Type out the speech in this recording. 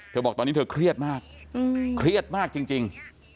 บอกตอนนี้เธอเครียดมากเครียดมากจริง